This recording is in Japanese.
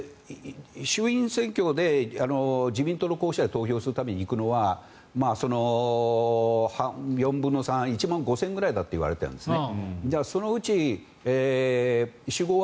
衆院選挙で自民党の候補者に投票するために選挙に行くのはその４分の３１万５０００ぐらいだって言われているんですね。